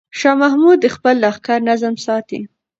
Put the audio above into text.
شاه محمود د خپل لښکر نظم ساتي.